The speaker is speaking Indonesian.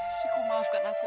istriku maafkan aku